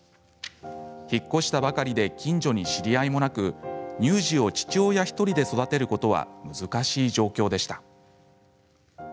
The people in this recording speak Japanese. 引っ越したばかりで近所に知り合いもなく乳児を父親１人で育てることは難しい状況でした。